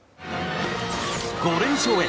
５連勝へ！